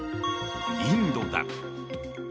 インドだ。